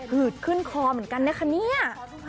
ืดขึ้นคอเหมือนกันนะคะเนี่ย